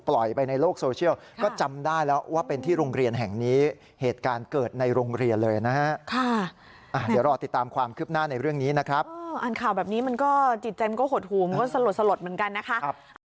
แล้วจิตใจมันก็หดหูมันก็สะหรดเหมือนกันนะคะ